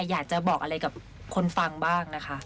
อยากจะบอกอะไรกับคนฟังบ้างนะคะ